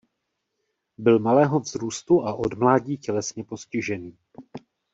Byl malého vzrůstu a od mládí tělesně postižený.